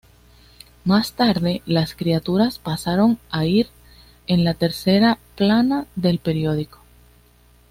Más tarde las caricaturas pasaron a ir en la tercera plana del periódico.